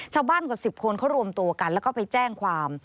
กว่า๑๐คนเขารวมตัวกันแล้วก็ไปแจ้งความ